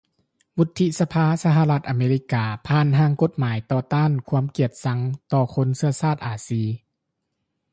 ວຸດທິສະພາສະຫະລັດອາເມຣິກາຜ່ານຮ່າງກົດໝາຍຕໍ່ຕ້ານຄວາມກຽດຊັງຕໍ່ຄົນເຊື້ອຊາດອາຊີ